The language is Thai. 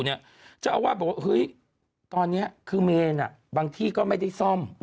จะเอาหัวตอนนี้เมลนี่บางที่ก็ไม่ได้ซ่อม